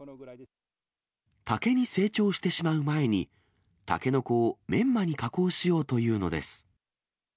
竹に成長してしまう前に、タケノコをメンマに加工しようというのです。